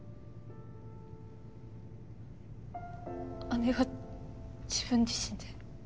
姉が自分自身で？